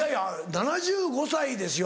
７５歳ですよ